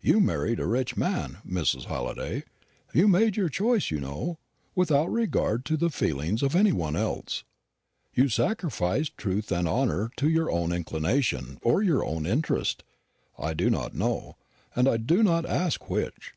You married a rich man, Mrs. Halliday; you made your choice, you know, without regard to the feelings of any one else. You sacrificed truth and honour to your own inclination, or your own interest, I do not know, and do not ask which.